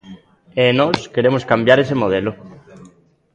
E nós queremos cambiar ese modelo.